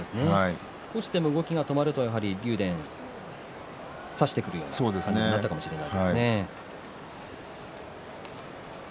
少しでも動きが止まるとやはり竜電は差してくるような感じになったでしょうから。